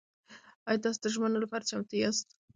ایا تاسو د ژمنو لپاره چمتو یاست؟